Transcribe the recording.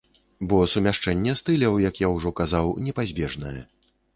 Бо сумяшчэнне стыляў, як я ўжо казаў, непазбежнае.